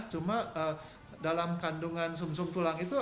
cuma dalam kandungan sum sum tulang itu